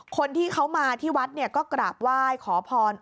คนที่เขามาที่วัดก็กราบไหว้ขอพร